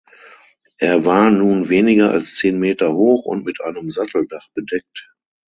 Er war nun weniger als zehn Meter hoch und mit einem Satteldach bedeckt.